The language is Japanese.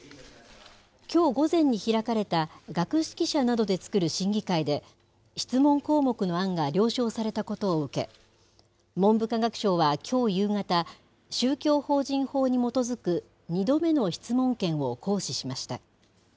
きょう午前に開かれた学識者などで作る審議会で、質問項目の案が了承されたことを受け、文部科学省はきょう夕方、宗教法人法に基づく２度目の質問権を行使しました。